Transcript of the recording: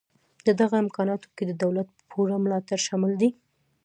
په دغه امکاناتو کې د دولت پوره ملاتړ شامل دی